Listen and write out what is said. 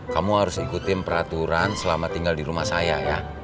kamu harus ikutin peraturan selama tinggal di rumah saya ya